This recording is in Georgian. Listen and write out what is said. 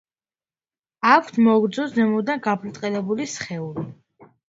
აქვთ მოგრძო, ზემოდან გაბრტყელებული სხეული.